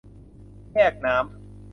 แยกน้ำ